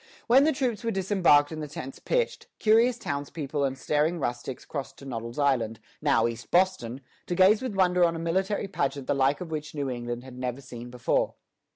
When the troops were disembarked and the tents pitched, curious townspeople and staring rustics crossed to Noddle's Island, now East Boston, to gaze with wonder on a military pageant the like of which New England had never seen before.